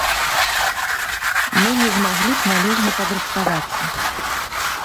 Мы не змаглі б належна падрыхтавацца.